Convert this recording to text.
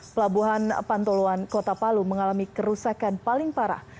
pelabuhan pantoluan kota palu mengalami kerusakan paling parah